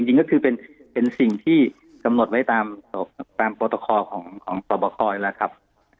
จริงก็คือเป็นสิ่งที่กำหนดไว้ตามโปรตคอของสวบคแล้วครับ